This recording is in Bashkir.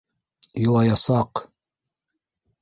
Илаясаҡ...